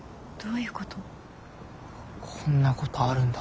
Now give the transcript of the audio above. こんなことあるんだ。